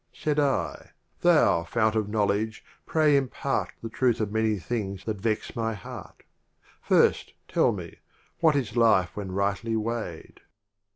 Said I, Thou Font of Knowledge, pray impart The truth of many things that vex my heart :" First tell me, what is Life when rightly weighed?"